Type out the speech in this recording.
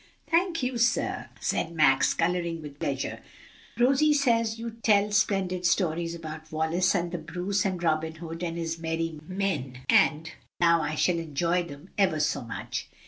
"Thank you, sir," said Max, coloring with pleasure. "Rosie says you tell splendid stories about Wallace and the Bruce and Robin Hood and his merry men; and I know I shall enjoy them ever so much."